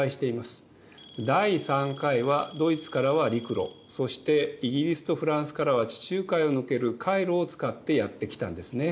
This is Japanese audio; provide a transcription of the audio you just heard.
第３回はドイツからは陸路そしてイギリスとフランスからは地中海を抜ける海路を使ってやって来たんですね。